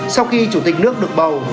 sau khi chủ tịch nước được bầu